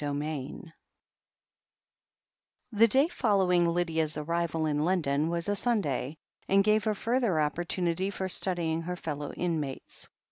VIII I The day following Lydia's arrival in London was a Sunday and gave her further opportunity for studying her fellow inmates.